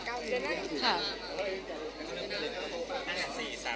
ค่ะ